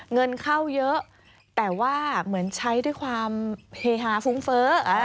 เงินเข้าเยอะแต่ว่าเหมือนใช้ด้วยความเฮฮาฟุ้งเฟ้อ